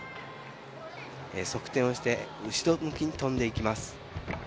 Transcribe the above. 側転をして後ろ向きに跳んでいきます。